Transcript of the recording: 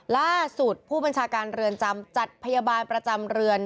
ล่าสุดผู้บัญชาการเรือนจำจัดพยาบาลประจำเรือน